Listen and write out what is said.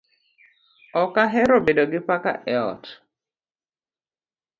Ok ahero bedo gi paka e ot